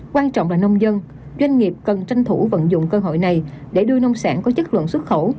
quan trọng là nông dân doanh nghiệp cần tranh thủ vận dụng cơ hội này để đưa nông sản có chất lượng xuất khẩu